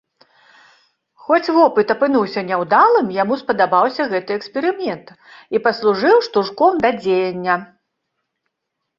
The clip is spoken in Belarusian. Хоць вопыт апынуўся няўдалым, яму спадабаўся гэты эксперымент і паслужыў штуршком да дзеяння.